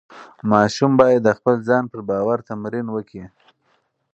ماشوم باید د خپل ځان پر باور تمرین وکړي.